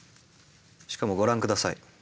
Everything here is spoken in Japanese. しかもご覧下さい。